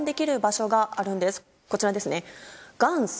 こちらですね。